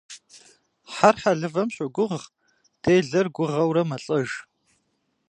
Хьэр хьэлывэм щогуыгъ, делэр гугъэурэ мэлӏэж.